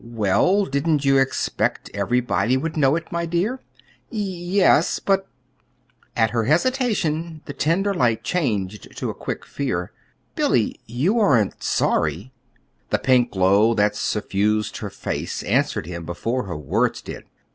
"Well, didn't you expect everybody would know it, my dear?" "Y yes; but " At her hesitation, the tender light changed to a quick fear. "Billy, you aren't sorry?" The pink glory that suffused her face answered him before her words did.